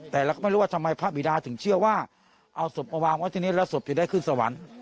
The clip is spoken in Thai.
แต่เราก็ไม่รู้ว่าทำไมพระบิดาถึงเชื่อว่าเอาศพมาวางไว้ที่นี่แล้วศพจะได้ขึ้นสวรรค์